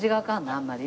あんまり。